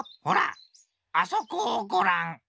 ほらあそこをごらん。